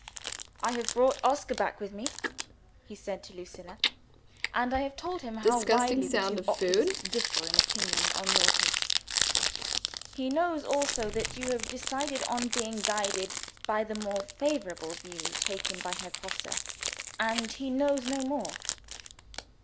"I have brought Oscar back with me," he said to Lucilla; "and I have told him how widely the two oculists differ in opinion on your case. He knows also that you have decided on being guided by the more favorable view taken by Herr Grosse and he knows no more."